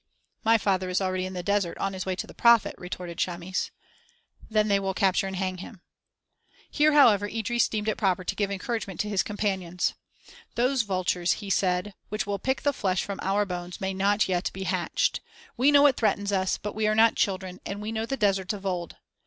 "My father is already in the desert, on his way to the prophet," retorted Chamis. "Then they will capture and hang him." Here, however, Idris deemed it proper to give encouragement to his companions. "Those vultures," he said, "which will pick the flesh from our bones may not yet be hatched. We know what threatens us, but we are not children, and we know the desert of old.